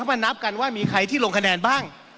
มานับกันว่ามีใครที่ลงคะแนนบ้าง